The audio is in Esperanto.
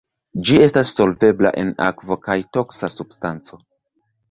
Ĝi estas solvebla en akvo kaj toksa substanco.